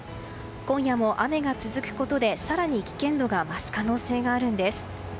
今夜も雨が続くことで更に危険度が増す可能性があるんです。